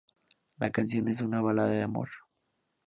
La canción es una balada de amor.